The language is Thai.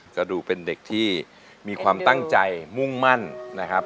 ก็ดูเป็นเด็กที่มีความตั้งใจมุ่งมั่นนะครับ